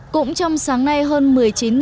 cũng trong sáng nay hơn một mươi chín thí sinh